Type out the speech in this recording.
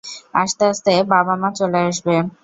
আসতে, আসতে, বাবা-মা চলে আসবে।